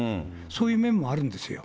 そういう面もあるんですよ。